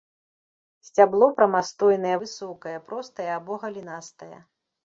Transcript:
Сцябло прамастойнае, высокае, простае або галінастае.